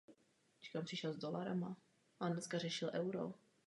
Whedon nabídku přijal a kromě režie napsal k filmu i scénář.